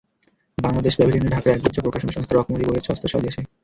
বাংলাদেশ প্যাভিলিয়নে ঢাকার একগুচ্ছ প্রকাশনা সংস্থা রকমারি বইয়ের সম্ভার সাজিয়ে বসেছে।